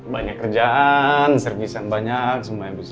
banyak kerjaan servisan banyak semuanya bisa